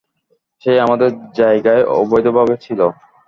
সে আমাদের জায়গায় অবৈধভাবে ছিল।